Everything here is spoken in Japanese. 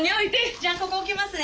じゃあここ置きますね。